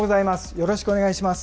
よろしくお願いします。